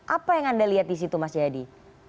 apa yang anda lihat di situ mas jayadi